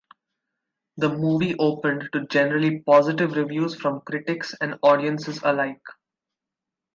The movie opened to generally positive reviews from critics and audiences alike.